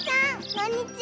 こんにちは。